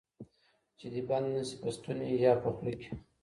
چی دي بند نه سي په ستوني یا په خوله کی